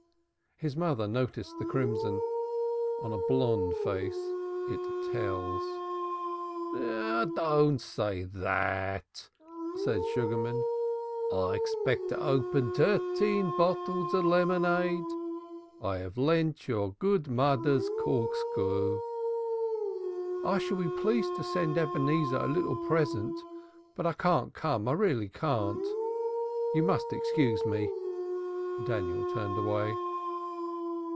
His mother noticed the crimson. On a blonde face it tells. "Don't say dat," said Sugarman. "I expect to open dirteen bottles of lemonade. I have lent your good moder's corkscrew." "I shall be pleased to send Ebenezer a little present, but I can't come, I really can't. You must excuse me." Daniel turned away.